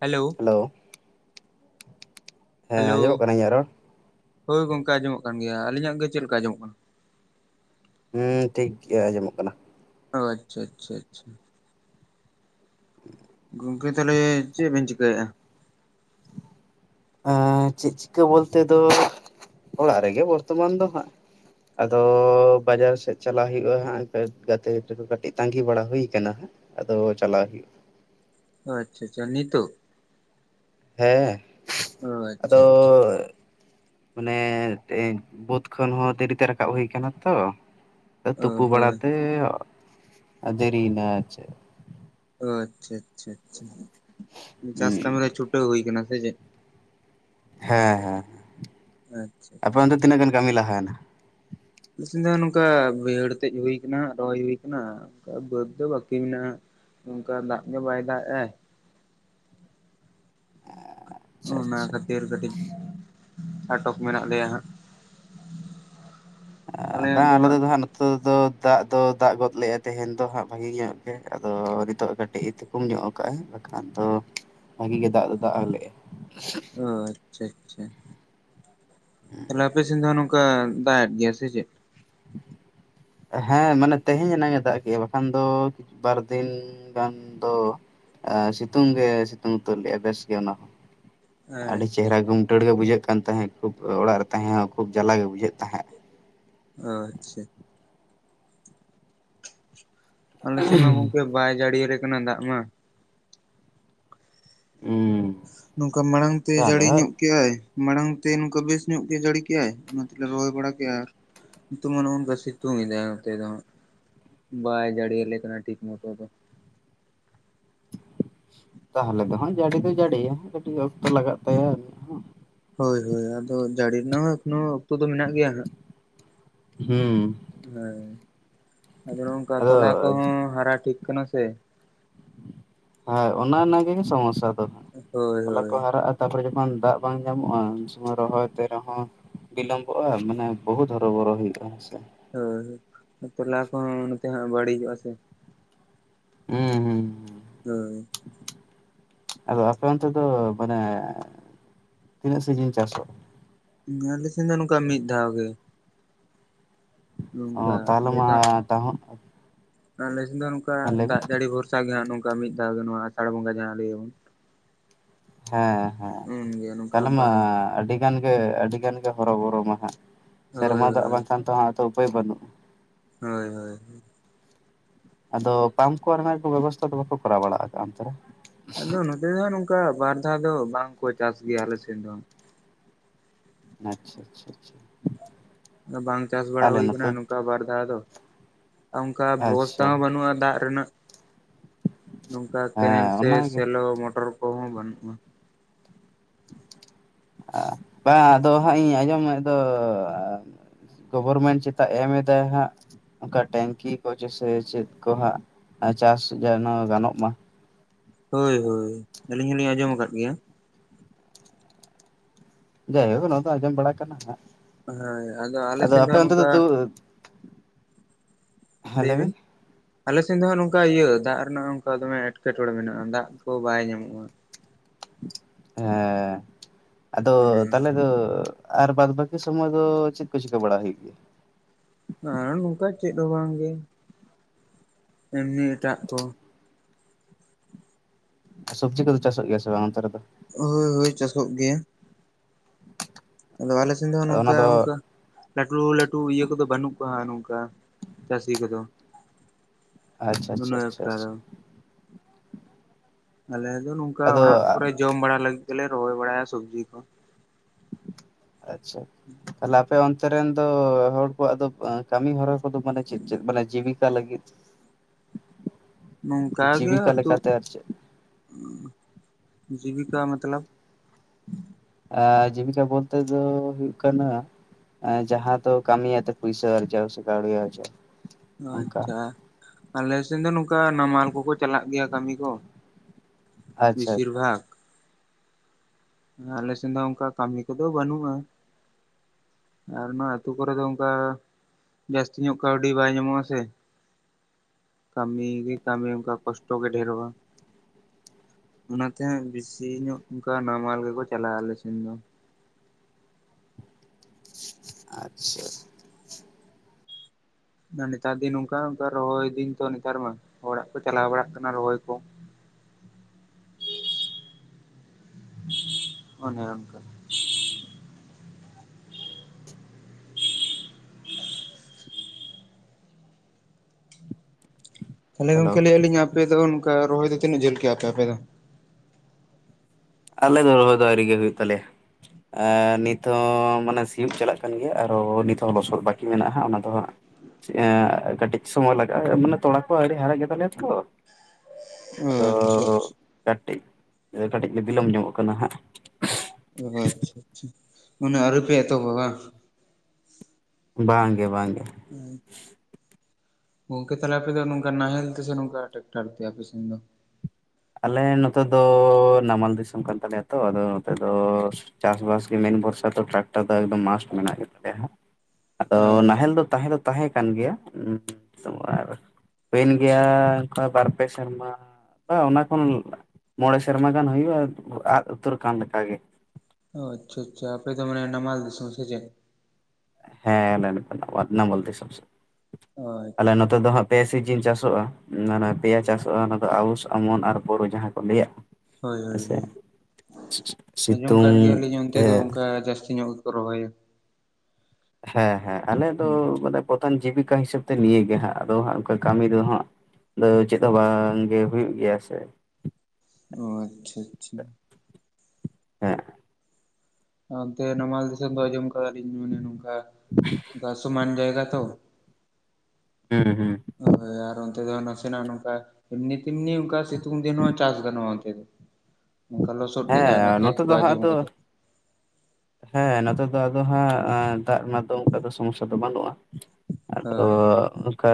Hello hello ᱦᱮᱸ hello ᱟᱸᱡᱚᱢᱚᱜ ᱠᱟᱱᱟ ᱤᱧᱟᱹᱜ ᱨᱚᱲ ᱦᱳᱭ ᱜᱚᱝᱠᱮ ᱟᱸᱡᱚᱢᱚᱜ ᱠᱟᱱ ᱜᱮᱭᱟ ᱟᱹᱞᱤᱧᱟᱜ ᱜᱮ ᱪᱮᱜ ᱞᱮᱠᱟ ᱟᱸᱡᱚᱢᱚᱜ ᱠᱟᱱᱟ᱾ ᱦᱩᱸ ᱴᱷᱤᱠ ᱜᱮᱭᱟ ᱟᱸᱡᱚᱢᱚᱜ ᱠᱟᱱᱟ᱾ ᱚ ᱟᱪᱪᱷᱟ ᱟᱪᱪᱷᱟ ᱟᱪᱪᱷᱟ᱾ [unintelligible] ᱜᱚᱝᱠᱮ ᱛᱟᱦᱞᱮ ᱪᱮᱫ ᱵᱮᱱ ᱪᱤᱠᱟᱹᱭᱮᱜᱼᱟ᱾ ᱟᱸ ᱪᱮᱜ ᱪᱤᱠᱟᱹ ᱵᱚᱞᱛᱮ ᱫᱚ ᱚᱲᱟᱜ ᱨᱮᱜᱮ ᱵᱚᱨᱛᱚᱢᱟᱱ ᱫᱚ ᱦᱟᱸᱜᱼᱼ ᱟᱫᱚ ᱵᱟᱡᱟᱨ ᱥᱮᱫ ᱪᱟᱞᱟᱜ ᱦᱩᱭᱩᱜᱼᱟ ᱦᱟᱸᱜ ᱮᱸ ᱜᱟᱛᱮ ᱜᱤᱫᱽᱨᱟᱹ ᱠᱚ ᱠᱟᱹᱴᱤᱡ ᱛᱟᱸᱜᱤ ᱵᱟᱲᱟ ᱦᱩᱭ ᱠᱟᱱᱟ ᱦᱟᱸᱜᱼᱼ ᱟᱫᱚ ᱪᱟᱞᱟᱜ ᱦᱩᱭᱩᱜᱼᱟ᱾ ᱟᱪᱪᱷᱟ ᱟᱪᱪᱷᱟ ᱱᱤᱛᱳᱜᱼᱼ ᱦᱮᱸ ᱚ ᱟᱪᱪᱷᱟ ᱟᱫᱚ ᱟᱪᱪᱷᱟ ᱢᱟᱱᱮ ᱛᱮᱦᱮᱧ ᱵᱟᱹᱫᱽ ᱠᱷᱚᱱ ᱦᱚᱸ ᱫᱮᱨᱤᱛᱮ ᱨᱟᱠᱟᱵ ᱦᱩᱭ ᱠᱟᱱᱟ ᱛᱚ᱾ ᱚ ᱛᱩᱯᱩ ᱦᱳᱭ ᱵᱟᱲᱟᱛᱮ ᱫᱮᱨᱤᱭᱮᱱᱟ ᱟᱨ ᱪᱮᱜ᱾ ᱚ ᱟᱪᱪᱷᱟ ᱟᱪᱪᱷᱟ ᱟᱪᱪᱷᱟ ᱪᱟᱥ ᱦᱩᱸ ᱠᱟᱹᱢᱤ ᱨᱮ ᱪᱷᱩᱴᱟᱹᱣ ᱦᱩᱭ ᱠᱟᱱᱟ ᱥᱮ ᱪᱮᱜ? ᱦᱮᱸ ᱦᱮᱸ ᱦᱮᱸ ᱟᱪᱪᱷᱟ ᱟᱯᱮ ᱟᱪᱪᱷᱟ ᱚᱱᱛᱮ ᱛᱤᱱᱟᱹᱜ ᱜᱟᱱ ᱠᱟᱹᱢᱤ ᱞᱟᱦᱟᱭᱱᱟ? ᱟᱞᱮᱥᱮᱱ ᱫᱚ ᱱᱚᱝᱠᱟ ᱵᱟᱹᱭᱦᱟᱹᱲ ᱛᱮᱜ ᱦᱩᱭ ᱠᱟᱱᱟ, ᱨᱚᱦᱚᱭ ᱦᱩᱭ ᱠᱟᱱᱟ, ᱚᱝᱠᱟ ᱵᱟᱹᱫᱽ ᱫᱚ ᱵᱟᱹᱠᱤ ᱢᱮᱱᱟᱜᱼᱟ᱾ ᱱᱚᱝᱠᱟ ᱫᱟᱜ ᱜᱮ ᱵᱟᱭ ᱫᱟᱜᱼᱟᱭ᱾ ᱟᱪᱪᱷᱟ ᱚᱱᱟ ᱟᱪᱪᱷᱟ ᱠᱷᱟᱹᱛᱤᱨ ᱠᱟᱹᱴᱤᱡ ᱟᱴᱚᱠ ᱢᱮᱱᱟᱜ ᱞᱮᱭᱟ ᱦᱟᱸᱜ᱾ ᱟᱞᱮᱭᱟᱜ ᱵᱟᱝ ᱟᱞᱮ ᱫᱚ ᱦᱟᱸᱜ ᱫᱚᱦᱟᱸᱜ ᱱᱚ ᱛᱮ ᱫᱚ ᱫᱟᱜ ᱫᱚ ᱫᱟᱜ ᱜᱚᱫ ᱞᱮᱜᱼᱟ ᱛᱮᱦᱮᱧ ᱫᱚ ᱦᱟᱸᱜ ᱵᱷᱟᱹᱜᱤ ᱧᱚᱜ ᱜᱮ, ᱟᱫᱚ ᱱᱤᱛᱚᱜ ᱠᱟᱹᱴᱤᱡ ᱮ ᱛᱷᱤ ᱛᱩᱝ ᱧᱚᱜ ᱠᱟᱜᱼᱟᱭ ᱵᱟᱠᱷᱟᱱ ᱫᱚ ᱵᱷᱟᱜᱤ ᱜᱮ ᱫᱟᱜ ᱫᱚ ᱫᱟᱜ ᱞᱮᱜᱼᱟᱭ᱾ ᱚ ᱟᱪᱪᱷᱟ ᱟᱪᱪᱷᱟ᱾ [inaudible] ᱛᱟᱦᱞᱮ ᱟᱯᱮ ᱥᱮᱱ ᱫᱚ ᱱᱚᱝᱠᱟ ᱫᱟᱜ ᱮᱫ ᱜᱮᱭᱟ ᱥᱮ ᱪᱮᱫ? ᱦᱮᱸ ᱢᱟᱱᱮ ᱛᱮᱦᱮᱧ ᱮᱱᱟᱝ ᱮ ᱫᱟᱜ ᱠᱮᱜᱼᱟ ᱵᱟᱠᱷᱟᱱ ᱫᱚ ᱵᱟᱨ ᱫᱤᱱ ᱜᱟᱱ ᱫᱚ ᱮ ᱥᱤᱛᱩᱝ ᱜᱮ ᱥᱤᱛᱩᱝ ᱩᱛᱟᱹᱨ ᱞᱮᱜᱼᱟ ᱵᱮᱥ ᱜᱮ ᱚᱱᱟ ᱦᱚᱸ᱾ ᱟᱹᱰᱤ ᱟᱪᱪᱷᱟ ᱪᱮᱦᱨᱟ ᱜᱩᱢᱴᱟᱹᱲ ᱜᱮ ᱵᱩᱡᱷᱟᱹᱜ ᱠᱟᱱ ᱛᱟᱦᱮᱸᱜ ᱠᱷᱩᱵ ᱚᱲᱟᱜ ᱨᱮ ᱛᱟᱦᱮᱸ ᱦᱚᱸ ᱠᱷᱩᱵ ᱡᱟᱞᱟ ᱜᱮ ᱵᱩᱡᱷᱟᱹᱜ ᱛᱟᱦᱮᱸᱜ᱾ ᱚ ᱟᱪᱷᱟ ᱟᱞᱮ ᱥᱮᱱ ᱢᱟ ᱜᱚᱝᱠᱮ ᱵᱟᱭ ᱡᱟᱹᱲᱤᱭᱟᱞᱮ ᱠᱟᱱᱟ ᱫᱟᱜ ᱢᱟ᱾ ᱩᱸ ᱱᱚᱝᱠᱟ ᱢᱟᱲᱟᱝᱛᱮ ᱡᱟᱹᱲᱤ ᱧᱚᱜ ᱠᱮᱜᱼᱟᱭ᱾ ᱢᱟᱲᱟᱝ ᱛᱮ ᱱᱚᱝᱠᱟ ᱵᱮᱥ ᱧᱚᱜ ᱜᱮ ᱡᱟᱲᱤ ᱠᱮᱜᱼᱟᱭ ᱚᱱᱟ ᱛᱮᱞᱮ ᱨᱚᱦᱚᱭ ᱵᱟᱲᱟ ᱠᱮᱜᱼᱟ᱾ ᱱᱤᱛᱚᱜ ᱢᱟ ᱱᱚᱜᱼᱚ ᱱᱚᱝᱠᱟᱭ ᱥᱤᱛᱩᱝ ᱮᱫᱟᱭ ᱱᱚᱱᱛᱮ ᱫᱚ ᱦᱟᱸᱜ᱾ ᱵᱟᱭ ᱡᱟᱹᱲᱤᱭᱟᱞᱮ ᱠᱟᱱᱟ ᱴᱷᱤᱠ ᱢᱚᱛᱚ ᱫᱚ᱾ ᱛᱟᱦᱚᱞᱮ ᱫᱚ ᱦᱟᱸᱜ ᱡᱟᱹᱲᱤ ᱫᱚ ᱡᱟᱹᱲᱤᱭᱟ ᱠᱟᱹᱴᱤᱡ ᱚᱠᱛᱚ ᱞᱟᱜᱟᱜ ᱛᱟᱭᱟ᱾ ᱦᱚᱸ᱾ ᱦᱳᱭ ᱦᱳᱭ ᱟᱫᱚ ᱡᱟᱹᱲᱤ ᱨᱮᱱᱟᱜ ᱦᱚᱸ ᱮᱠᱷᱚᱱᱚ ᱚᱠᱛᱚ ᱫᱚ ᱢᱮᱱᱟᱜ ᱜᱮᱭᱟ ᱦᱟᱸᱜ᱾ ᱦᱩᱸ ᱦᱮᱸ ᱟᱫᱚ ᱱᱚᱜᱼᱚᱝᱠᱟ ᱟᱫᱚ ᱛᱚᱞᱟ ᱠᱚᱦᱚᱸ ᱦᱟᱨᱟ ᱴᱷᱤᱠ ᱠᱟᱱᱟ ᱥᱮ᱾ ᱦᱮᱸ ᱚᱱᱟ ᱚᱱᱟᱜᱮ ᱥᱚᱢᱚᱥᱥᱟ ᱫᱚᱦᱟᱸᱜ ᱦᱳᱭ ᱛᱚᱞᱟ ᱦᱳᱭ ᱠᱚ ᱦᱟᱨᱟᱜᱼᱟ᱾ ᱛᱟᱯᱚᱨᱮ ᱡᱚᱠᱷᱚᱱ ᱫᱟᱜ ᱵᱟᱝ ᱧᱟᱢᱚᱜᱼᱟ ᱩᱱ ᱥᱚᱢᱚᱭ ᱨᱚᱦᱚᱭ ᱛᱮ ᱨᱮᱦᱚᱸ ᱵᱤᱞᱚᱢᱵᱚᱜᱼᱟ ᱢᱟᱱᱮ ᱵᱚᱦᱩᱛ ᱦᱚᱨᱚᱵᱚᱨᱚ ᱦᱩᱭᱩᱜᱼᱟ ᱦᱮᱸᱥᱮ᱾ ᱦᱳᱭ ᱛᱚᱞᱟ ᱠᱚᱦᱚᱸ ᱱᱚᱛᱮ ᱦᱟᱸᱜ ᱵᱟᱹᱲᱤᱡᱚᱜᱼᱟ ᱥᱮ᱾ ᱦᱩᱸ ᱦᱩᱸ ᱦᱳᱭ ᱟᱫᱚ ᱟᱯᱮ ᱚᱱᱛᱮ ᱫᱚ ᱢᱟᱱᱮ ᱛᱤᱱᱟᱹᱜ ᱥᱤᱡᱤᱱ ᱪᱟᱥᱚᱜ? ᱟᱞᱮᱥᱮᱧ ᱫᱚ ᱱᱚᱝᱠᱟ ᱢᱤᱫ ᱫᱷᱟᱣ ᱜᱮ᱾ ᱚ ᱱᱚᱝᱠᱟ ᱛᱟᱦᱞᱮ ᱢᱟ ᱛᱟᱶᱦᱚᱸ ᱟᱞᱮᱥᱮᱱ ᱫᱚ ᱱᱚᱝᱠᱟ ᱢᱮ ᱫᱟᱜ ᱡᱟᱹᱲᱤ ᱵᱷᱚᱨᱥᱟ ᱜᱮ ᱦᱟᱸᱜ ᱱᱚᱝᱠᱟ ᱢᱤᱫ ᱫᱷᱟᱣ ᱜᱮ ᱱᱚᱣᱟ ᱟᱥᱟᱲ ᱵᱚᱸᱜᱟ ᱡᱟᱦᱟᱸ ᱞᱟᱹᱭ ᱭᱟᱵᱚᱱ᱾ ᱦᱮᱸ ᱦᱮᱸ ᱩᱱᱜᱮ ᱱᱚᱝᱠᱟ ᱛᱟᱦᱚᱞᱮ ᱢᱟ ᱵᱟᱨ ᱟᱹᱰᱤ ᱜᱟᱱ ᱜᱮ ᱟᱹᱰᱤ ᱜᱟᱱ ᱜᱮ ᱦᱚᱨᱚᱵᱚᱨᱚ ᱢᱟ ᱦᱟᱸᱜ ᱦᱳᱭ ᱥᱮᱨᱢᱟ ᱫᱟᱜ ᱦᱳᱭ ᱵᱟᱝᱠᱷᱟᱱ ᱫᱚ ᱩᱯᱟᱹᱭ ᱵᱟᱹᱱᱩᱜᱼᱟ᱾ ᱦᱳᱭ ᱦᱳᱭ ᱦᱳᱭ ᱟᱫᱚ ᱯᱟᱢᱯ ᱠᱚᱣᱟᱜ ᱨᱮᱱᱟᱜ ᱠᱚ ᱵᱮᱵᱚᱥᱛᱷᱟ ᱫᱚ ᱵᱟᱠᱚ ᱠᱚᱨᱟᱣ ᱵᱟᱲᱟ ᱟᱠᱟᱜᱼᱟ ᱚᱱᱛᱮ ᱨᱮ? ᱟᱫᱚ ᱱᱚᱛᱮ ᱫᱚ ᱱᱚᱝᱠᱟ ᱵᱟᱨ ᱫᱷᱟᱣ ᱫᱚ ᱵᱟᱝᱠᱚ ᱪᱟᱥ ᱜᱮᱭᱟ ᱟᱞᱮᱥᱮᱫ ᱫᱚ᱾ ᱟᱪᱪᱷᱟ ᱟᱪᱪᱷᱟ ᱟᱪᱪᱷᱟ ᱵᱟᱝ ᱪᱟᱥ ᱵᱟᱲᱟ ᱟᱞᱮ ᱦᱩᱭ ᱱᱚᱛᱮ ᱠᱟᱱᱟ ᱱᱚᱝᱠᱟ ᱵᱟᱨ ᱫᱷᱟᱣ ᱫᱚ᱾ ᱚᱱᱠᱟ ᱵᱮᱵᱚᱥᱛᱷᱟ ᱟᱪᱪᱷᱟ ᱦᱚᱸ ᱵᱟᱹᱱᱩᱜᱼᱟ ᱫᱟᱜ ᱨᱮᱱᱟᱜ ᱾ ᱱᱚᱝᱠᱟ ᱦᱮᱸ ᱠᱮᱱᱮᱞ ᱥᱮ ᱚᱱᱟᱜᱮ ᱥᱮᱞᱚ ᱢᱚᱴᱚᱨ ᱠᱚᱦᱚᱸ ᱵᱟᱹᱱᱩᱜᱼᱟ ᱾ ᱟᱻ ᱵᱟᱝ ᱟᱫᱚ ᱦᱟᱸᱜ ᱤᱧ ᱟᱸᱡᱚᱢᱮᱫ ᱫᱚᱻ ᱜᱣᱚᱨᱢᱮᱱᱴ ᱪᱮᱛᱟ ᱮᱢ ᱮᱫᱟ ᱦᱟᱸᱜ ᱾ ᱚᱱᱠᱟ ᱴᱮᱝᱠᱤ ᱠᱚ ᱡᱮᱥᱮ ᱪᱮᱫ ᱠᱚ ᱦᱟᱸᱜ ᱪᱟᱥ ᱡᱮᱱᱚ ᱜᱟᱱᱚᱜ ᱢᱟ ᱾ ᱦᱚᱭ ᱦᱚᱭ ᱟᱹᱞᱤᱧ ᱦᱚᱞᱤᱧ ᱟᱸᱡᱚᱢ ᱟᱠᱟᱫ ᱜᱮᱭᱟ ᱾ ᱡᱟᱭᱦᱚᱠ ᱱᱚᱣᱟ ᱫᱚ ᱟᱸᱡᱚᱢ ᱵᱟᱲᱟ ᱠᱟᱱᱟ ᱦᱟᱸᱜ, ᱦᱳᱭ ᱟᱞᱮ ᱟᱫᱚ ᱥᱮᱱ ᱟᱯᱮ ᱚᱱᱛᱮ ᱫᱚ ᱱᱚᱝᱠᱟ ᱛᱟᱹᱣ ᱞᱟᱹᱭ ᱵᱤᱱ? ᱟᱞᱮᱥᱮᱱ ᱫᱚ ᱦᱟᱸᱜ ᱱᱚᱝᱠᱟ ᱤᱭᱟᱹ ᱫᱟᱜ ᱨᱮᱱᱟᱜ ᱚᱝᱠᱟ ᱫᱚᱢᱮ ᱮᱴᱠᱮᱴᱚᱬᱮ ᱢᱮᱱᱟᱜᱼᱟ ᱫᱟᱜ ᱠᱚ ᱵᱟᱭ ᱧᱟᱢᱚᱜᱼᱟ ᱾ ᱦᱮᱸ ᱟᱫᱚ ᱚᱱᱮ ᱛᱟᱦᱚᱞᱮ ᱫᱚ ᱟᱨ ᱵᱟᱫᱽ ᱵᱟᱹᱠᱤ ᱥᱩᱢᱚᱭ ᱫᱚ ᱪᱮᱫ ᱠᱚ ᱪᱤᱠᱟᱹ ᱵᱟᱲᱟ ᱦᱩᱭᱩᱜ ᱜᱮᱭᱟ ᱾ ᱟᱨ ᱱᱚᱝᱠᱟ ᱪᱮᱫ ᱦᱚᱸ ᱵᱟᱝ ᱜᱮ ᱮᱢᱱᱤ ᱮᱴᱟᱜ ᱠᱚ ᱾ ᱥᱚᱵᱽᱡᱤ ᱠᱚᱫᱚ ᱪᱟᱥᱚᱜ ᱜᱮᱭᱟ ᱥᱮ ᱵᱟᱝ ᱚᱱᱛᱮ ᱨᱮ ᱫᱚ? ᱦᱚᱭ ᱦᱚᱭ ᱪᱟᱥᱚᱜ ᱜᱮᱭᱟ ᱾ ᱟᱫᱚ ᱟᱞᱮ ᱥᱮᱱ ᱫᱚ ᱟᱫᱚ ᱚᱱᱟ ᱱᱚᱝᱠᱟ ᱚᱱᱠᱟ‌ ᱞᱟᱹᱴᱩ ᱞᱟᱹᱴᱩ ᱤᱭᱟᱹ ᱠᱚᱫᱚ ᱵᱟᱹᱱᱩᱜ ᱠᱚᱣᱟ ᱱᱚᱝᱠᱟ ᱪᱟᱹᱥᱤ ᱠᱚᱫᱚ ᱾ ᱟᱪᱪᱷᱟ ᱟᱪᱷᱟ ᱟᱪᱪᱷᱟ ᱟᱪᱪᱷᱟ ᱫᱚ ᱾ ᱟᱞᱮ ᱫᱚ ᱱᱚᱝᱠᱟ ᱟᱫᱚ ᱚᱲᱟᱜ ᱠᱚᱨᱮ ᱡᱚᱢ ᱵᱟᱲᱟ ᱞᱟᱹᱜᱤᱫ ᱜᱮᱞᱮ ᱨᱚᱦᱚᱭ ᱵᱟᱲᱟᱭᱟ ᱥᱚᱵᱽᱡᱤ ᱠᱚ ᱾ ᱟᱪᱪᱷᱟ ᱛᱟᱦᱚᱞᱮ ᱟᱯᱮ ᱚᱱ ᱛᱮ ᱨᱮᱱ ᱫᱚ ᱦᱚᱲ ᱠᱚᱣᱟᱜ ᱫᱚ ᱠᱟᱹᱢᱤ ᱦᱚᱨᱟ ᱠᱚᱫᱚ ᱢᱟᱱᱮ ᱪᱮᱫ ᱪᱮᱫ ᱢᱟᱱᱮ ᱡᱤᱵᱤᱠᱟ ᱞᱟᱹᱜᱤᱫ ᱾ [inaudible] ᱱᱚᱝᱠᱟ ᱜᱮ ᱟᱹᱛᱩᱜ ᱞᱮᱠᱟᱛᱮ ᱟᱨ ᱪᱮᱫ ᱡᱤᱵᱤᱠᱟ ᱢᱚᱛᱞᱚᱵᱽ? ᱮᱻ ᱡᱤᱵᱤᱠᱟ ᱵᱚᱞᱛᱮ ᱫᱚ ᱦᱩᱭᱩᱜ ᱠᱟᱱᱟ ᱾ ᱮ ᱡᱟᱦᱟᱸ ᱫᱚ ᱠᱟᱹᱢᱤᱭᱟᱛᱮ ᱯᱩᱭᱥᱟᱹ ᱟᱨᱡᱟᱣ ᱥᱮ ᱠᱟᱹᱣᱰᱤ ᱟᱨᱡᱟᱣ ᱾ ᱟᱪᱪᱷᱟ ᱟᱞᱮ ᱥᱮᱱ ᱫᱚ ᱱᱚᱝᱠᱟ ᱱᱟᱢᱟᱞ ᱠᱚᱠᱚ ᱪᱟᱞᱟᱜ ᱜᱮᱭᱟ ᱠᱟᱹᱢᱤ ᱠᱚ ᱟᱪᱪᱷᱟ ᱵᱮᱥᱤᱨ ᱵᱷᱟᱜᱽ ᱾ ᱟᱞᱮ ᱥᱮᱱ ᱫᱚ ᱚᱱᱠᱟ ᱠᱟᱹᱢᱤ ᱠᱚᱫᱚ ᱵᱟᱹᱱᱩᱜᱼᱟ ᱾ ᱟᱨ ᱱᱚᱣᱟ ᱟᱹᱛᱩ ᱠᱚᱨᱮ ᱫᱚ ᱚᱱᱠᱟ ᱡᱟᱹᱥᱛᱤ ᱧᱚᱜ ᱠᱟᱹᱣᱰᱤ ᱵᱟᱭ ᱧᱟᱢᱚᱜᱼᱟ ᱥᱮ ᱾ ᱠᱟᱹᱢᱤ ᱜᱮ ᱠᱟᱹᱢᱤ ᱚᱱᱠᱟ ᱠᱚᱥᱴᱚ ᱜᱮ ᱰᱷᱮᱨᱚᱜᱼᱟ ᱾ ᱚᱱᱟᱛᱮ ᱦᱟᱸᱜ ᱵᱤᱥᱤ ᱧᱚᱜ ᱚᱱᱠᱟ ᱱᱟᱢᱟᱞ ᱜᱮᱠᱚ ᱪᱟᱞᱟᱜᱼᱟ ᱟᱞᱮ ᱥᱮᱱ ᱫᱚ ᱾ ᱟᱪᱪᱷᱟ ᱾ ᱱᱮ ᱱᱮᱛᱟᱨ ᱫᱤᱱ ᱱᱚᱝᱠᱟ ᱚᱱᱠᱟ ᱨᱚᱦᱚᱭ ᱫᱤᱱ ᱛᱚ ᱱᱮᱛᱟᱨ ᱢᱟ ᱦᱚᱲᱟᱜ ᱠᱚ ᱪᱟᱞᱟᱣ ᱵᱟᱲᱟᱜ ᱠᱟᱱᱟ ᱨᱚᱦᱚᱭ ᱠᱚ ᱾ [inaudible] ᱚᱱᱮ ᱚᱱᱠᱟ ᱾ ᱛᱟᱦᱚᱞᱮ ᱜᱚᱝᱠᱮ ᱦᱮᱞᱳ ᱞᱟᱹᱭ ᱟᱹᱞᱤᱧ ᱟᱯᱮ ᱫᱚ ᱱᱚᱝᱠᱟ ᱨᱚᱦᱚᱭ ᱫᱚ ᱛᱤᱱᱟᱹᱜ ᱡᱷᱟᱹᱞ ᱠᱮᱜ-ᱟᱯᱮ ᱟᱯᱮ ᱫᱚ? ᱟᱞᱮ ᱫᱚ ᱨᱚᱦᱚᱭ ᱫᱚ ᱟᱹᱣᱨᱤ ᱜᱮ ᱦᱩᱭᱩᱜ ᱛᱟᱞᱮᱭᱟ ᱾ ᱮᱸᱻ ᱱᱤᱛ ᱦᱚᱸ ᱢᱟᱱᱮ ᱥᱤᱭᱳᱜ ᱪᱟᱞᱟᱜ ᱠᱟᱱ ᱜᱮᱭᱟ ᱟᱨᱦᱚᱸ ᱱᱤᱛ ᱦᱚᱸ ᱞᱚᱥᱚᱫ ᱵᱟᱹᱠᱤ ᱢᱮᱱᱟᱜ-ᱟ ᱦᱟᱸᱜ ᱚᱱᱟ ᱫᱚ ᱦᱟᱸᱜ ᱮ ᱠᱟᱹᱴᱤᱡ ᱥᱚᱢᱚᱭ ᱞᱟᱜᱟᱜ-ᱟ ᱢᱟᱱᱮ ᱛᱚᱲᱟ ᱠᱚ ᱟᱹᱣᱨᱤ ᱦᱟᱨᱟ ᱜᱮ ᱛᱟᱞᱮᱭᱟ ᱛᱚ ᱚ ᱟᱫᱚ ᱟᱪᱪᱷᱟ ᱟᱪᱪᱷᱟ ᱠᱟᱹᱴᱤᱡ, ᱠᱟᱹᱴᱤᱡ ᱵᱤᱞᱚᱢ ᱧᱚᱜᱚᱜ ᱠᱟᱱᱟ ᱦᱟᱸᱜ ᱾ ᱚ ᱟᱪᱪᱷᱟ ᱟᱪᱪᱷᱟ ᱢᱟᱱᱮ ᱟᱹᱣᱨᱤ ᱯᱮ ᱮᱛᱚᱦᱚᱵᱟ ᱵᱟᱝ ᱾ ᱵᱟᱝ ᱜᱮ ᱵᱟᱝ ᱜᱮ ᱾ ᱟᱪᱪᱷᱟ ᱜᱚᱝᱠᱮ ᱛᱟᱦᱚᱞᱮ ᱟᱯᱮ ᱫᱚ ᱱᱚᱝᱠᱟ ᱱᱟᱦᱮᱞ ᱛᱮᱥᱮ ᱱᱚᱝᱠᱟ ᱴᱮᱠᱴᱟᱨ ᱛᱮ ᱟᱯᱮ ᱥᱮᱱ ᱫᱚ? ᱟᱞᱮ ᱱᱚᱛᱮ ᱫᱚ ᱱᱟᱢᱟᱞ ᱫᱤᱥᱚᱢ ᱠᱟᱱ ᱛᱟᱞᱮᱭᱟ ᱛᱚ ᱟᱫᱚ ᱱᱚᱛᱮ ᱫᱚ ᱪᱟᱥ ᱵᱟᱥ ᱜᱮ ᱢᱮᱱ ᱵᱷᱚᱨᱥᱟ ᱫᱚ ᱴᱨᱟᱠᱴᱟᱨ ᱫᱚ ᱮᱠᱫᱚᱢ ᱢᱟᱥᱴ ᱢᱮᱱᱟᱜ ᱜᱮ ᱛᱟᱞᱮᱭᱟ ᱦᱟᱸᱜ ᱟᱫᱚ ᱚ ᱱᱟᱦᱮᱞ ᱫᱚ ᱛᱟᱦᱮᱸ ᱫᱚ ᱛᱟᱦᱮᱸ ᱠᱟᱱ ᱜᱮᱭᱟ ᱩᱸ ᱥᱚᱢᱟᱨ ᱦᱳᱭᱮᱱ ᱜᱮᱭᱟ ᱚᱱᱠᱟ ᱵᱟᱨ ᱯᱮ ᱥᱮᱨᱢᱟ ᱵᱟ ᱚᱱᱟ ᱠᱷᱚᱱ ᱢᱚᱬᱮ ᱥᱮᱨᱢᱟ ᱜᱟᱱ ᱦᱩᱭᱩᱜ-ᱟ, ᱟᱫ ᱩᱛᱟᱹᱨ ᱠᱟᱱ ᱞᱮᱠᱟᱜᱮ ᱾ ᱚ ᱟᱪᱪᱷᱟ ᱟᱪᱷᱟ ᱟᱯᱮ ᱫᱚ ᱢᱟᱱᱮ ᱱᱟᱢᱟᱞ ᱫᱤᱥᱚᱢ ᱥᱮ ᱪᱮᱫ? ᱦᱮᱸ [unintelligible] ᱱᱟᱢᱟᱞ ᱫᱤᱥᱚᱢ ᱥᱮᱫ, ᱚ ᱟᱞᱮ ᱟᱪᱪᱷᱟ ᱱᱚ ᱱᱤᱛᱚᱜ ᱫᱚ ᱦᱟᱸᱜ ᱯᱮ ᱥᱤᱡᱤᱱ ᱪᱟᱥᱚᱜ-ᱟ, ᱚᱱᱟ ᱯᱮᱭᱟ ᱪᱟᱥᱚᱜ-ᱟ ᱚᱱᱟ ᱫᱚ ᱟᱣᱩᱥ, ᱚᱢᱚᱱ ᱟᱨ ᱵᱳᱨᱳ ᱡᱟᱦᱟᱸ ᱠᱚ ᱞᱟᱹᱭᱟ᱾ ᱦᱳᱭ ᱦᱳᱭ ᱦᱮᱸᱥᱮ ᱦᱳᱭ, ᱟᱸᱡᱚᱢ ᱥᱤᱛᱩᱝ ᱟᱠᱟᱫ ᱜᱮᱭᱟᱞᱤᱧ ᱚᱱᱛᱮ ᱮ ᱫᱚ ᱚᱱᱠᱟ ᱡᱟᱹᱥᱛᱤ ᱧᱚᱜ ᱨᱚᱦᱚᱭᱟ ᱦᱮᱸ ᱦᱮᱸ ᱟᱞᱮ ᱫᱚ ᱦᱩᱸ ᱢᱟᱱᱮ ᱯᱚᱫᱷᱟᱱ ᱡᱤᱵᱤᱠᱟ ᱦᱤᱥᱟᱹᱵᱽ ᱛᱮ ᱱᱤᱭᱟᱹ ᱜᱮ ᱦᱟᱸᱜ, ᱟᱫᱚ ᱦᱟᱸᱜ ᱚᱱᱠᱟ ᱠᱟᱹᱢᱤ ᱫᱚ ᱦᱟᱸᱜ ᱟᱫᱚ ᱪᱮᱫ ᱦᱚᱸ ᱵᱟᱝ ᱜᱮ ᱦᱩᱭᱩᱜ ᱜᱮᱭᱟ ᱥᱮ᱾ ᱚ ᱟᱪᱪᱷᱟ ᱟᱪᱪᱷᱟ᱾ ᱦᱮᱸ᱾ ᱚᱱᱛᱮ ᱱᱟᱢᱟᱞ ᱫᱤᱥᱚᱢ ᱫᱚ ᱟᱸᱡᱚᱢ ᱟᱠᱟᱫᱟᱞᱤᱧ ᱢᱟᱱᱮ ᱱᱚᱝᱠᱟ ᱱᱚᱝᱠᱟ ᱥᱚᱢᱟᱱ ᱡᱟᱭᱜᱟ ᱛᱚ᱾ ᱦᱩᱸ ᱦᱩᱸ᱾ ᱦᱳᱭ ᱟᱨ ᱚᱱᱛᱮ ᱫᱚ ᱦᱟᱸᱜ ᱱᱟᱥᱮᱱᱟᱜ ᱱᱚᱝᱠᱟ ᱮᱢᱱᱤ ᱛᱤᱢᱱᱤ ᱚᱱᱠᱟ ᱥᱤᱛᱩᱝ ᱫᱤᱱ ᱦᱚᱸ ᱪᱟᱥ ᱜᱟᱱᱚᱜ-ᱟ ᱚᱱᱛᱮ ᱫᱚ, ᱚᱱᱠᱟ ᱫᱚ ᱥᱚᱫ ᱜᱮ ᱛᱟᱦᱮᱱᱟ ᱦᱮᱸ ᱠᱷᱮᱛ ᱱᱚᱛᱮ ᱠᱚ ᱫᱚ ᱦᱟᱸᱜ ᱟᱡᱚᱢ ᱟᱫᱚ ᱜᱚᱫᱚᱜ ᱦᱮᱸ ᱱᱚᱛᱮ ᱫᱚ ᱟᱫᱚ ᱦᱟᱸᱜ ᱫᱟᱜ ᱨᱮᱱᱟᱜ ᱫᱚ ᱚᱱᱠᱟ ᱫᱚ ᱥᱚᱢᱚᱥᱥᱟ ᱫᱚ ᱵᱟᱹᱱᱩᱜ-ᱟ᱾ ᱟᱫᱚ ᱦᱳᱭ ᱦᱳᱭ ᱚᱱᱠᱟ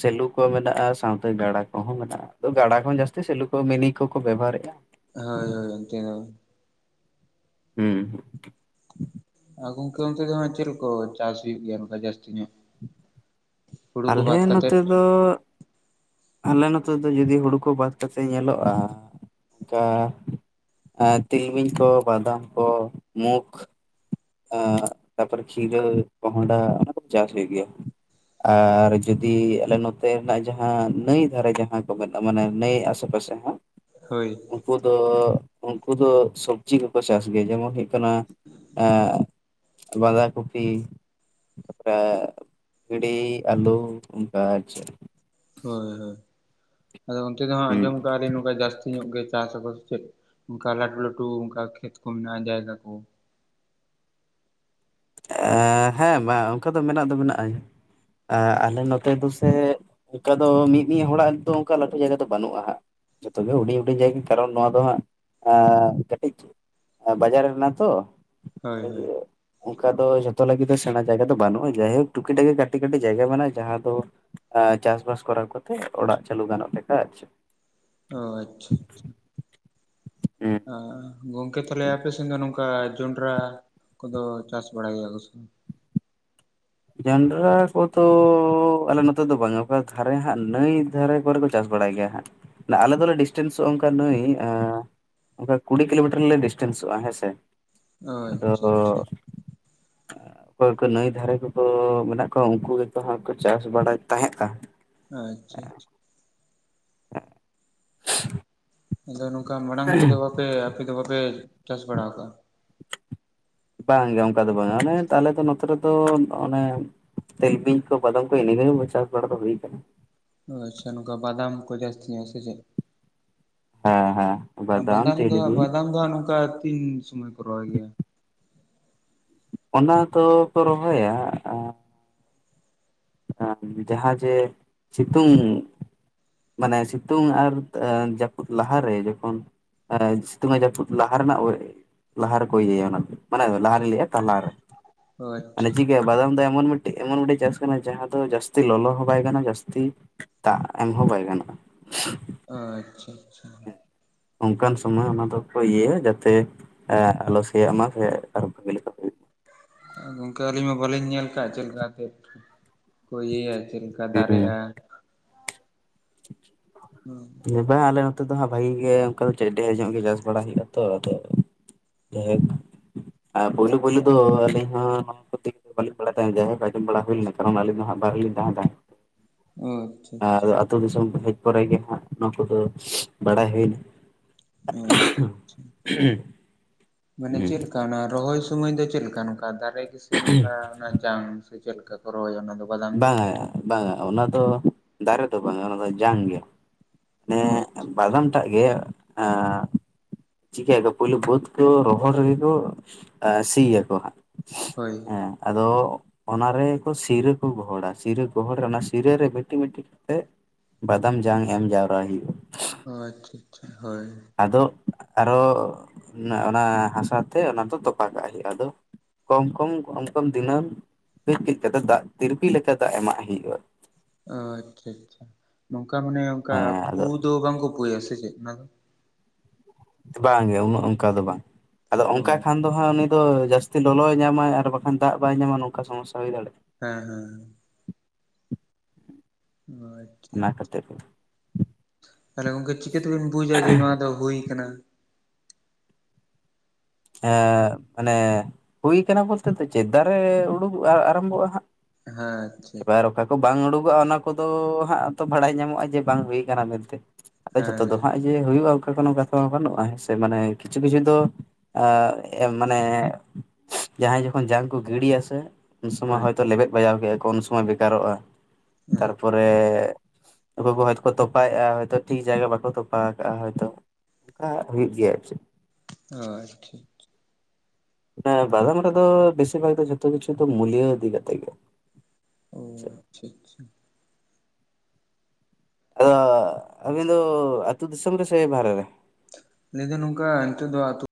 ᱥᱮᱞᱩ ᱠᱚ ᱢᱮᱱᱟᱜ-ᱟ, ᱥᱟᱶᱛᱮ ᱜᱟᱰᱟ ᱠᱚᱦᱚᱸ ᱢᱮᱱᱟᱜ-ᱟ᱾ ᱟᱫᱚ ᱜᱟᱰᱟ ᱠᱷᱚᱱ ᱡᱟᱹᱥᱛᱤ ᱥᱮᱞᱩ ᱠᱚ ᱢᱮᱱᱤ ᱠᱚᱠᱚ ᱵᱮᱵᱷᱟᱨᱮᱫ-ᱟ᱾ ᱦᱳᱭ ᱦᱳᱭ ᱚᱱᱛᱮ ᱫᱚ ᱾ ᱦᱩᱸ ᱦᱩᱸ᱾ ᱜᱚᱝᱠᱮ ᱚᱱᱛᱮ ᱫᱚ ᱦᱟᱸᱜ ᱪᱮᱫ ᱠᱚ ᱪᱟᱥ ᱦᱩᱭᱩᱜ ᱜᱮᱭᱟ ᱱᱚᱝᱠᱟ ᱡᱟᱹᱥᱛᱤ ᱧᱚᱜ? ᱦᱩᱲᱩ ᱠᱚ ᱟᱞᱮ ᱵᱟᱫᱽ ᱱᱚᱛᱮ ᱠᱟᱛᱮᱫ ᱾ ᱫᱚ ᱟᱞᱮ ᱱᱚᱛᱮ ᱫᱚ ᱡᱩᱫᱤ ᱦᱩᱲᱩ ᱠᱚ ᱵᱟᱫᱽ ᱠᱟᱛᱮᱫ ᱧᱮᱞᱚᱜ-ᱟ ᱚᱱᱠᱟ ᱛᱤᱞᱢᱤᱧ ᱠᱚ, ᱵᱟᱫᱟᱢ ᱠᱚ, ᱢᱩᱠᱷ ᱟᱸ ᱛᱟᱨᱯᱚᱨ ᱠᱷᱤᱨᱟᱹ, ᱠᱚᱸᱦᱚᱸᱰᱟ ᱚᱱᱟ ᱠᱚ ᱪᱟᱥ ᱦᱩᱭᱩᱜ ᱜᱮᱭᱟ᱾ ᱟᱨ ᱡᱩᱫᱤ ᱟᱞᱮ ᱱᱚᱛᱮ ᱨᱮᱱᱟᱜ ᱡᱟᱦᱟᱸ ᱱᱟᱹᱭ ᱫᱷᱟᱨᱮ ᱡᱟᱦᱟᱸ ᱠᱚ ᱢᱮᱱᱟᱜ ᱢᱟᱱᱮ ᱱᱟᱹᱭ ᱟᱥᱮ ᱯᱟᱥᱮ ᱦᱚᱸ ᱦᱳᱭ᱾ ᱩᱱᱠᱩ ᱫᱚ ᱩᱱᱠᱩ ᱫᱚ ᱥᱚᱵᱽᱡᱤ ᱠᱚᱠᱚ ᱪᱟᱥ ᱜᱮᱭᱟ ᱾ ᱡᱮᱢᱚᱱ ᱦᱩᱭᱩᱜ ᱠᱟᱱᱟ [inaudible] ᱮᱸ ᱵᱟᱸᱫᱷᱟ ᱠᱚᱯᱤ ᱛᱟᱯᱚᱨᱮ ᱵᱷᱤᱰᱤ, ᱟᱹᱞᱩ ᱚᱱᱠᱟ ᱪᱮ ᱦᱳᱭ ᱦᱳᱭ ᱟᱫᱚ ᱚᱱᱛᱮ ᱫᱚ ᱦᱟᱸᱜ ᱟᱸᱡᱚᱢ ᱦᱩᱸ ᱠᱟᱜ ᱟᱞᱤᱧ ᱱᱚᱝᱠᱟ ᱡᱟᱹᱥᱛᱤ ᱧᱚᱜ ᱜᱮ ᱪᱟᱥ ᱟᱵᱟᱫ ᱥᱮ ᱪᱮᱫ ᱚᱱᱠᱟ ᱞᱟᱹᱴᱩ ᱞᱟᱹᱴᱩ ᱚᱱᱠᱟ ᱠᱷᱮᱛ ᱠᱚ ᱢᱮᱱᱟᱜᱼᱟ, ᱡᱟᱭᱜᱟ ᱠᱚ᱾ ᱦᱮᱸ ᱢᱟ ᱚᱱᱠᱟ ᱫᱚ ᱢᱮᱱᱟᱜ ᱫᱚ ᱢᱮᱱᱟᱜᱼᱟ, ᱟᱞᱮ ᱱᱚᱛᱮ ᱫᱚ ᱥᱮ ᱚᱱᱠᱟ ᱫᱚ ᱢᱤᱫ ᱢᱤᱫ ᱦᱚᱲᱟᱜ ᱫᱚ ᱚᱱᱠᱟ ᱞᱟᱹᱴᱩ ᱡᱟᱭᱜᱟ ᱫᱚ ᱵᱟᱹᱱᱩᱜᱼᱟ ᱦᱟᱸᱜ᱾ ᱡᱷᱚᱛᱚ ᱜᱮ ᱦᱩᱰᱤᱧ ᱦᱩᱰᱤᱧ ᱡᱟᱭᱜᱟ, ᱠᱟᱨᱚᱱ ᱱᱚᱣᱟ ᱫᱚ ᱦᱟᱸᱜ ᱠᱟᱹᱴᱤᱡ ᱵᱟᱡᱟᱨ ᱨᱮᱱᱟ ᱛᱚ᱾ ᱦᱳᱭ ᱦᱳᱭ᱾ ᱚᱱᱠᱟ ᱫᱚ ᱡᱷᱚᱛᱚ ᱞᱟᱹᱜᱤᱫ ᱫᱚ ᱥᱮᱬᱟ ᱡᱟᱭᱜᱟ ᱫᱚ ᱵᱟᱹᱱᱩᱜᱼᱟ᱾ ᱡᱟᱭᱦᱳᱠ ᱴᱩᱠᱤ ᱴᱟᱠᱤ ᱠᱟᱹᱴᱤᱡ ᱠᱟᱹᱴᱤᱡ ᱡᱟᱭᱜᱟ ᱢᱮᱱᱟᱜᱼᱟ ᱡᱟᱦᱟᱸ ᱫᱚ ᱟᱸ ᱪᱟᱥᱵᱟᱥ ᱠᱚᱨᱟᱣ ᱠᱟᱛᱮᱫ, ᱚᱲᱟᱜ ᱪᱟᱹᱞᱩ ᱜᱟᱱᱚᱜ ᱞᱮᱠᱟ ᱟᱨ ᱪᱮᱫ᱾ ᱚ ᱟᱪᱪᱷᱟ ᱟᱪᱪᱷᱟ᱾ ᱟᱸ ᱜᱚᱝᱠᱮ ᱛᱟᱦᱞᱮ ᱟᱯᱮ ᱥᱮᱱ ᱫᱚ ᱱᱚᱝᱠᱟ ᱡᱚᱸᱰᱨᱟ ᱠᱚᱫᱚ ᱪᱟᱥ ᱵᱟᱲᱟᱭ ᱜᱮᱭᱟ ᱠᱚ ᱥᱮ ᱵᱟᱝ? ᱡᱚᱱᱰᱨᱟ ᱠᱚᱫᱚᱼᱼ ᱟᱞᱮ ᱱᱚᱛᱮ ᱫᱚ ᱵᱟᱝᱟ ᱚᱠᱟ ᱫᱷᱟᱨᱮ ᱦᱟᱸᱜ ᱱᱟᱹᱭ ᱫᱷᱟᱨᱮ ᱠᱚᱨᱮ ᱠᱚ ᱪᱟᱥ ᱵᱟᱲᱟᱭ ᱜᱮᱭᱟ ᱦᱟᱸᱜ᱾ ᱟᱞᱮ ᱫᱚᱞᱮ ᱰᱤᱥᱴᱮᱱᱥᱚᱜᱼᱟ ᱚᱱᱠᱟ ᱱᱟᱹᱭ ᱟᱸᱻ ᱚᱱᱠᱟ ᱠᱩᱲᱤ ᱠᱤᱞᱳᱢᱤᱴᱟᱨ ᱞᱮ ᱰᱤᱥᱴᱮᱱᱥᱚᱜᱼᱟ ᱦᱮᱸ ᱥᱮ ᱚ ᱟᱫᱚ ᱟᱪᱪᱷᱟ ᱟᱪᱪᱷᱟ ᱚᱠᱚᱭ ᱠᱚ ᱱᱟᱹᱭ ᱫᱷᱟᱨᱮ ᱼᱼ ᱠᱚ ᱢᱮᱱᱟᱜ ᱠᱚᱣᱟ ᱩᱱᱠᱩ ᱜᱮᱛᱚ ᱦᱟᱸᱜ ᱠᱚ ᱪᱟᱥ ᱵᱟᱲᱟᱭ ᱛᱟᱦᱮᱸᱫᱼᱟ᱾ ᱟᱪᱪᱷᱟ, ᱟᱪᱪᱷᱟ [inaudible] ᱟᱫᱚ ᱱᱚᱝᱠᱟ ᱢᱟᱲᱟᱝ ᱛᱮᱫᱚ ᱵᱟᱯᱮ ᱟᱯᱮ ᱫᱚ ᱵᱟᱯᱮ ᱪᱟᱥ ᱵᱟᱲᱟ ᱟᱠᱟᱫᱼᱟ? ᱵᱟᱝ ᱜᱮ ᱚᱱᱠᱟ ᱫᱚ ᱵᱟᱝᱟ ᱚᱱᱮ ᱛᱟᱦᱞᱮ ᱫᱚ ᱱᱚᱛᱮ ᱨᱮᱫᱚ ᱚᱱᱮᱼᱼ ᱛᱮᱞ ᱵᱤᱧ ᱠᱚ ᱵᱟᱫᱟᱢ ᱠᱚ ᱮᱱᱟ ᱪᱟᱥ ᱵᱟᱲᱟ ᱫᱚ ᱦᱩᱭ ᱠᱟᱱᱟ᱾ ᱟᱪᱪᱷᱟ ᱱᱚᱝᱠᱟ ᱵᱟᱫᱟᱢ ᱠᱚ ᱡᱟᱹᱥᱛᱤ ᱥᱮ ᱪᱮ ᱦᱮᱸ ᱦᱮᱸ ᱵᱟᱫᱟᱢ ᱵᱟᱫᱟᱱ ᱫᱚ ᱛᱤᱞᱢᱤᱧ ᱵᱟᱫᱟᱱ ᱫᱚ ᱦᱟᱸᱜ ᱱᱚᱝᱠᱟ ᱛᱤᱱ ᱥᱚᱢᱚᱭ ᱠᱚ ᱨᱚᱦᱚᱭ ᱜᱮᱭᱟ᱾ ᱚᱱᱟ ᱫᱚᱠᱚ ᱨᱚᱦᱚᱭᱟᱼᱼ ᱡᱟᱦᱟᱸ ᱡᱮ ᱥᱤᱛᱩᱝ ᱢᱟᱱᱮ ᱥᱤᱛᱩᱝ ᱟᱨ ᱡᱟᱹᱯᱩᱫ ᱞᱟᱦᱟᱨᱮ ᱡᱚᱠᱷᱚᱱᱼᱼ ᱥᱤᱛᱩᱝ ᱟᱭ ᱡᱟᱹᱯᱩᱫ ᱞᱟᱦᱟ ᱨᱮᱱᱟᱜ ᱞᱟᱦᱟ ᱨᱮᱠᱚ ᱤᱭᱟᱹᱭᱟ ᱚᱱᱟ ᱫᱚ ᱢᱟᱱᱮ ᱞᱟᱦᱟ ᱨᱮᱧ ᱞᱟᱹᱭᱟ ᱛᱟᱞᱟ ᱨᱮ ᱚ ᱢᱟᱱᱮ ᱟᱪᱪᱷᱟ ᱪᱤᱠᱟᱹᱭᱟ ᱵᱟᱫᱟᱢ ᱫᱚ ᱮᱢᱚᱱ ᱢᱤᱫ ᱴᱮᱡ ᱮᱢᱚᱱ ᱢᱤᱫ ᱴᱮᱡ ᱪᱟᱥᱼᱼ ᱡᱟᱦᱟᱸ ᱫᱚ ᱡᱟᱹᱥᱛᱤ ᱞᱚᱞᱚ ᱦᱚᱸ ᱵᱟᱭ ᱜᱟᱱᱚᱜᱼᱟ ᱡᱟᱹᱥᱛᱤ ᱫᱟᱜ ᱮᱢ ᱦᱚᱸ ᱵᱟᱭ ᱜᱟᱱᱚᱜᱼᱟ᱾ ᱟᱪᱪᱷᱟ, ᱟᱪᱪᱷᱟ ᱚᱱᱠᱟᱱ ᱥᱚᱢᱚᱭ ᱚᱱᱟ ᱫᱚᱠᱚ ᱤᱭᱟᱹᱭᱟ ᱡᱟᱛᱮ ᱟᱞᱚ ᱥᱮᱭᱟᱜ ᱢᱟ ᱥᱮᱼᱼ [unintelligible] ᱜᱚᱝᱠᱮ ᱟᱹᱞᱤᱧ ᱢᱟ ᱵᱟᱹᱞᱤᱧ ᱧᱮᱞ ᱠᱟᱜᱼᱟ ᱪᱮᱫ ᱞᱮᱠᱟ ᱠᱟᱛᱮ ᱠᱚ ᱤᱭᱟᱹᱭᱟ ᱪᱮᱫ ᱞᱮᱠᱟ ᱦᱩᱸ ᱫᱟᱨᱮᱜᱼᱟ? ᱦᱩᱸ ᱵᱟᱝ ᱟᱞᱮ ᱱᱚᱛᱮ ᱫᱚ ᱦᱟᱸᱜ ᱵᱷᱟᱜᱤ ᱜᱮ ᱚᱱᱠᱟ ᱫᱚ ᱪᱮᱫ ᱰᱷᱮᱨ ᱧᱚᱜ ᱜᱮ ᱪᱟᱥ ᱵᱟᱲᱟᱭ ᱦᱩᱭᱩᱜᱼᱟ ᱛᱚ ᱟᱫᱚᱼᱼ ᱡᱟᱭ ᱦᱚᱠ ᱯᱳᱭᱞᱳ ᱯᱳᱭᱞᱩ ᱫᱚ ᱟᱹᱞᱤᱧ ᱦᱚᱸ ᱱᱚᱣᱟ [unintelligible] [unintelligible] ᱦᱩᱭ ᱠᱟᱨᱚᱱ ᱟᱞᱤᱧ ᱵᱟᱨᱦᱮ ᱨᱤᱞᱤᱧ ᱛᱟᱦᱮᱱ ᱛᱟᱦᱮᱫᱼᱼ ᱚ ᱟᱪᱪᱷᱟ ᱟᱸ ᱟᱹᱛᱩ ᱫᱤᱥᱚᱢ ᱦᱮᱡ ᱯᱨᱮ ᱜᱮ ᱦᱟᱸᱜ, ᱱᱚᱣᱟ ᱠᱚᱫᱚ ᱵᱟᱲᱟᱭ ᱦᱩᱭ ᱮᱱᱟ [inaudible] ᱟᱪᱪᱷᱟ ᱢᱟᱱᱮ ᱪᱮᱫ ᱞᱮᱠᱟ ᱚᱱᱟ ᱨᱚᱦᱚᱭ ᱥᱩᱢᱟᱹᱭ ᱫᱚ ᱪᱮᱫ ᱞᱮᱠᱟ ᱱᱚᱝᱠᱟ ᱫᱟᱨᱮ ᱜᱮᱥᱮ ᱱᱚᱝᱠᱟ ᱡᱟᱝᱼᱼ ᱪᱮᱫ ᱞᱮᱠᱟ ᱠᱚ ᱨᱚᱦᱚᱭᱟ ᱚᱱᱟ ᱫᱚᱼᱼ ᱵᱟᱝᱟ ᱵᱟᱝᱟ ᱚᱱᱟ ᱫᱚ ᱫᱟᱨᱮ ᱫᱚ ᱵᱟᱝᱟ ᱚᱱᱟ ᱫᱚ ᱡᱟᱝ ᱜᱮᱼᱼ ᱚ ᱮᱸᱜ ᱵᱫᱟᱢ ᱴᱟᱜ ᱜᱮ ᱟᱸᱻ ᱪᱤᱠᱟᱹᱭ ᱟᱠᱚ ᱯᱳᱭᱞᱳ ᱵᱟᱹᱫᱽ ᱠᱚ ᱨᱚᱦᱚᱲ ᱨᱮᱜᱮ ᱠᱚ ᱥᱤ ᱟᱠᱚ ᱦᱟᱸᱜ ᱦᱳᱭ ᱦᱮᱸ ᱟᱫᱚ ᱚᱱᱟ ᱨᱮ ᱥᱤᱨᱟᱹ ᱠᱩᱸ ᱜᱚᱦᱚᱲᱟ ᱥᱤᱨᱟᱹ ᱜᱚᱦᱚᱲ ᱨᱮ ᱚᱱᱟ ᱥᱤᱨᱟᱹ ᱨᱮ ᱢᱤᱫ ᱴᱤᱡ ᱢᱤᱫ ᱴᱤᱡ ᱠᱟᱛᱮᱫ ᱵᱟᱫᱟᱢ ᱡᱟᱝ ᱮᱢ ᱡᱟᱣᱨᱟ ᱦᱩᱭᱩᱜᱼᱟ᱾ ᱚ ᱟᱪᱪᱷᱟ ᱟᱪᱪᱷᱟ ᱦᱳᱭ ᱟᱫᱚ ᱟᱨᱦᱚᱸ ᱚᱱᱟ ᱚᱱᱟ ᱦᱟᱥᱟ ᱛᱮ ᱚᱱᱟ ᱫᱚ ᱛᱚᱯᱟᱜ ᱠᱟᱜ ᱦᱩᱭᱩᱜᱼᱟ ᱟᱫᱚᱼᱼ ᱠᱚᱢ ᱠᱚᱢ ᱠᱚᱢ ᱠᱚᱢ ᱫᱤᱱᱟᱹᱢ ᱠᱟᱹᱡ ᱠᱟᱹᱡ ᱠᱟᱛᱮ ᱫᱟᱜ ᱛᱤᱨᱯᱤ ᱞᱮᱠᱟ ᱫᱟᱜ ᱮᱢᱟᱜ ᱦᱩᱭᱩᱜᱼᱟ᱾ ᱚ ᱟᱪᱪᱷᱟ ᱟᱪᱪᱷᱟ ᱱᱚᱝᱠᱟ ᱢᱟᱱᱮ ᱚᱱᱠᱟ ᱦᱮᱸ ᱯᱩ ᱟᱫᱚ ᱫᱚ ᱵᱟᱝᱠᱚ ᱯᱩᱭᱟ ᱥᱮ ᱪᱮᱫ ᱚᱱᱟ ᱫᱚ? ᱵᱟᱝᱜᱮ ᱩᱱᱟᱹᱜ ᱚᱱᱠᱟ ᱫᱚ ᱵᱟᱝ ᱟᱫᱚ ᱚ ᱚᱱᱠᱟ ᱠᱷᱟᱱᱼᱼ ᱫᱚ ᱦᱟᱸᱜ ᱩᱱᱤ ᱫᱚ ᱡᱟᱹᱥᱛᱤ ᱞᱚᱞᱚᱭ ᱧᱟᱢᱟᱭ ᱟᱨ ᱵᱟᱠᱷᱟᱱ ᱫᱟᱜ ᱵᱟᱭ ᱧᱟᱢᱟ ᱱᱚᱝᱠᱟ ᱥᱚᱢᱚᱥᱥᱟ ᱦᱩᱭ ᱫᱟᱲᱮᱭᱟᱜᱼᱟ ᱦᱮᱸ ᱦᱮᱸ ᱚ ᱟᱪᱪᱷᱟ ᱚᱱᱟ ᱪᱷᱟ ᱠᱷᱟᱹᱛᱤᱨ ᱛᱟᱦᱞᱮ ᱚᱱᱠᱟ ᱪᱤᱠᱟᱹ ᱛᱮᱵᱮᱱ ᱵᱩᱡᱼᱟ ᱡᱮ ᱱᱚᱣᱟ ᱫᱚ ᱦᱩᱭ ᱠᱟᱱᱟ᱾ ᱮᱸ ᱢᱟᱱᱮ ᱦᱩᱭ ᱠᱟᱱᱟ ᱵᱚᱞᱛᱮ ᱫᱚ ᱪᱮᱫ ᱫᱟᱨᱮ ᱩᱰᱩᱠᱜᱼᱟ ᱟᱨᱟᱢᱵᱷᱚᱜᱼᱟ ᱦᱟᱸᱜ᱾ ᱦᱮᱸ ᱟᱪᱪᱷᱟ ᱵᱟᱭ ᱨᱚᱠᱷᱟ ᱠᱚ ᱵᱟᱝ ᱩᱰᱩᱠᱚᱜᱼᱟ ᱚᱱᱟ ᱠᱚᱫᱚ ᱦᱟᱸᱜ ᱛᱚ ᱵᱟᱰᱟᱭ ᱧᱟᱢᱚᱜᱼᱟ ᱡᱮ ᱵᱟᱝ ᱦᱩᱭ ᱠᱟᱱᱟ ᱢᱮᱱᱛᱮ, ᱟᱫᱚ ᱡᱷᱚᱛᱚ ᱦᱮᱸ ᱫᱚ ᱦᱮᱸ ᱦᱟᱸᱜ ᱡᱮ ᱦᱩᱭᱩᱜᱼᱟ ᱚᱱᱠᱟ ᱠᱚᱱᱚ ᱠᱟᱛᱷᱟ ᱢᱟ ᱵᱟᱹᱱᱩᱜ ᱦᱮ ᱥᱮ ᱢᱟᱱᱮ ᱠᱤᱪᱷᱩ ᱠᱤᱪᱷᱩ ᱫᱚ ᱟ ᱢᱟᱱᱮ ᱡᱟᱦᱟᱸᱭ ᱡᱚᱠᱷᱚᱱ ᱡᱟᱝ ᱠᱚ ᱜᱤᱰᱤᱭᱟ ᱥᱮ ᱩᱱ ᱥᱚᱢᱚᱭ ᱦᱳᱭ ᱦᱚᱭᱛᱚ ᱞᱮᱵᱮᱫ ᱵᱟᱡᱟᱣ ᱠᱮᱜᱼᱟ ᱠᱚ ᱩᱱ ᱥᱚᱢᱚᱭ ᱵᱮᱠᱟᱨᱚᱜᱼᱟ ᱦᱮᱸ ᱛᱟᱨ ᱯᱚᱨᱮ ᱚᱠᱚᱭ ᱠᱚ ᱦᱚᱭ ᱛᱚᱠᱚ ᱛᱚᱯᱟᱭᱮᱜᱼᱟ ᱴᱷᱤᱠ ᱡᱟᱭᱜᱟ ᱵᱟᱠᱚ ᱛᱚᱯᱟ ᱟᱠᱟᱜᱼᱟ ᱦᱭᱛᱚ᱾ ᱠᱟ ᱦᱩᱭᱩᱜ ᱜᱮᱭᱟ ᱟᱨ ᱪᱮᱫ ᱟ ᱴᱷᱤᱠ᱾ ᱦᱮᱸ ᱵᱟᱜᱟᱱ ᱨᱮᱫᱚ ᱵᱮᱥᱤᱨ ᱵᱷᱟᱜ ᱫᱚ ᱡᱷᱚᱛᱚ ᱠᱤᱪᱷᱩ ᱫᱚ ᱢᱩᱞᱭᱚ ᱤᱫᱤ ᱠᱟᱛᱮᱜ ᱜᱮ᱾ ᱚ ᱟᱪᱪᱷᱟ ᱪᱷᱟ᱾ ᱟᱫᱚ ᱟᱹᱵᱤᱱ ᱫᱚ ᱟᱹᱛᱩ ᱫᱤᱥᱚᱢ ᱨᱮᱥᱮ ᱵᱟᱨᱦᱮ ᱨᱮ? ᱞᱟᱹᱭ ᱫᱚ ᱱᱚᱝᱠᱟ ᱱᱛᱚᱜ ᱫᱚ ᱟᱹᱛᱩ